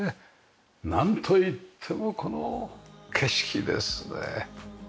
なんといってもこの景色ですね。